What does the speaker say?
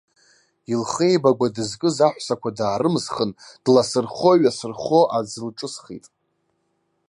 Илхеибагәа дызкыз аҳәсақәа даарымсхын, дласырхо-ҩасырхо, аӡы лҿысхит.